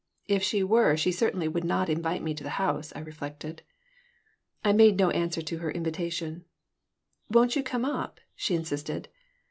"If she were she certainly would not invite me to the house," I reflected I made no answer to her invitation "Won't you come up?" she insisted.